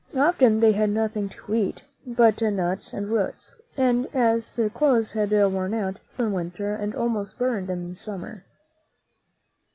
Often they had nothing to eat but nuts and roots, and as their clothes had worn out, they froze in winter and ahiiost burned in summer.